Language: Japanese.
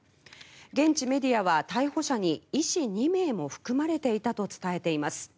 現地メディアは逮捕者に医師２名も含まれていたと伝えています。